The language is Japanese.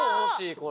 これ。